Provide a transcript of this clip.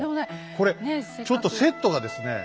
これちょっとセットがですね